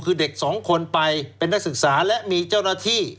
คือเด็กสองคนไปเป็นนักศึกษาและมีเจ้าหน้าที่